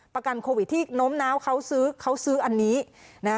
ประกันโควิดที่โน้มน้าวเขาซื้อเขาซื้ออันนี้นะฮะ